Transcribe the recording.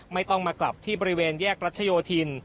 ไม่ต้องมากลับที่บริเวณแยกรัชโยธิน